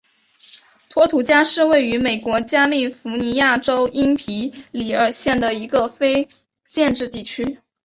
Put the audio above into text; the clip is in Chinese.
托图加是位于美国加利福尼亚州因皮里尔县的一个非建制地区。